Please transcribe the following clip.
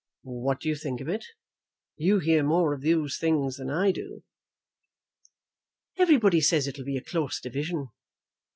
"What do you think of it? you hear more of those things than I do." "Everybody says it will be a close division."